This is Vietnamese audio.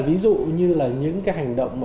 ví dụ như là những cái hành động